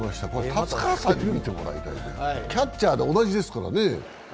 達川さんに見てもらいたい、キャッチャーで同じだから。